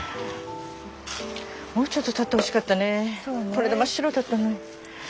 これで真っ白だった。